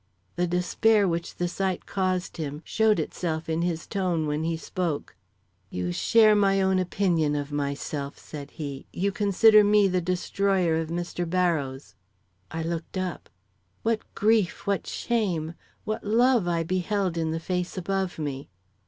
The despair which the sight caused him, showed itself in his tone when he spoke. "You share my own opinion of myself," said he. "You consider me the destroyer of Mr. Barrows." I looked up. What grief, what shame, what love I beheld in the face above me.